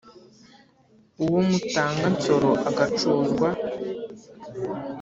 Uwo mutaga Nsoro agacuzwa.